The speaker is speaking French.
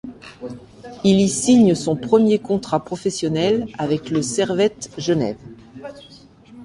Il y signe son premier contrat professionnel avec le Servette Genève.